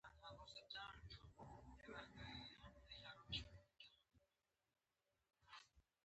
موږ دواړه په یوه څادر کې پټ شوو